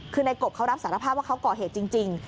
คือในกบเขารับสารภาพว่าเขาก่อเหตุจริง